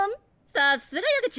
さすが矢口。